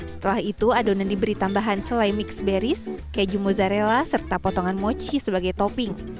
setelah itu adonan diberi tambahan selai mix beris keju mozzarella serta potongan mochi sebagai topping